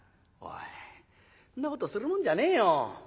「おいそんなことするもんじゃねえよ。